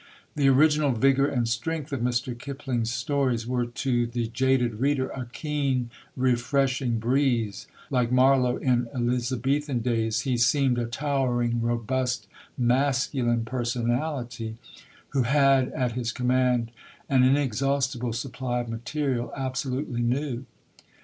The original vigour and strength of Mr. Kipling's stories were to the jaded reader a keen, refreshing breeze; like Marlowe in Elizabethan days he seemed a towering, robust, masculine personality, who had at his command an inexhaustible supply of material absolutely new.